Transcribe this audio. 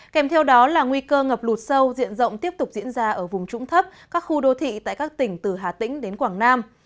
kèm theo đó là nguy cơ ngập lụt sâu diện rộng tiếp tục diễn ra ở vùng trũng thấp các khu đô thị tại các tỉnh từ hà tĩnh đến quảng nam